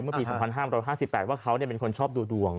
เมื่อปี๒๕๕๘ว่าเขาเป็นคนชอบดูดวง